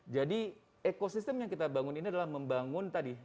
jadi ekosistem yang kita bangun ini adalah membangun tadi